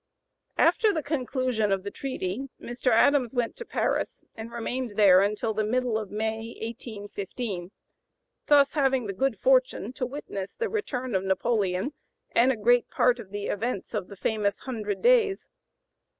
After the conclusion of the treaty Mr. Adams went to Paris, and remained there until the middle of May, 1815, thus having the good fortune to witness the return of Napoleon and a great part of the events of the famous "hundred days."